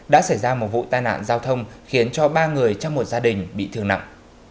đã xảy ra một vụ tai nạn giao thông khiến cho ba người trong một gia đình bị thương nặng